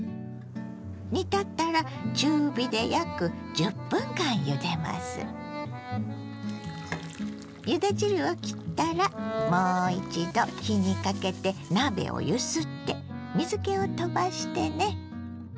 煮立ったらゆで汁を切ったらもう一度火にかけて鍋を揺すって水けを飛ばしてね。